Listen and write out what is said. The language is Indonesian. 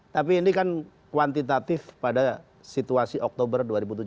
tapi ini kan kuantitatif pada situasi oktober dua ribu tujuh belas